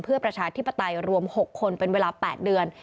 เพื่อประชาธิปไตยรวม๖คนเป็นเวลา๘เดือน